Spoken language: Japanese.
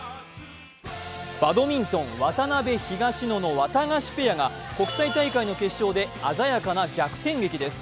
バドミントン、渡辺・東野のワタガシペアが国際大会の決勝で鮮やかな逆転劇です。